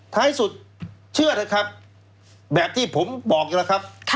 ท้ายสุดเชื่อเถอะครับแบบที่ผมบอกอยู่แล้วครับ